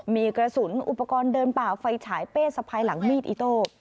มีกระสุนอุปกรณ์เดินป่าไฟฉายเป้สะพายหลังมีดอิโต้